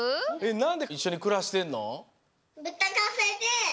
なんでいっしょにくらしてんの？